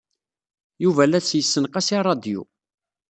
Yuba la as-yessenqas i ṛṛadyu.